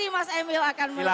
mas emil akan melihat